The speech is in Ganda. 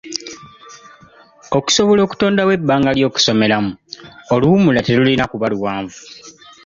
Okusobola okutondawo ebbanga ly'okusomeramu oluwummula terulina kuba luwanvu.